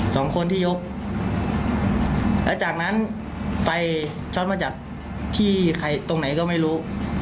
สองคนที่ยกแล้วจากนั้นไฟช็อตมาจากที่ใครตรงไหนก็ไม่รู้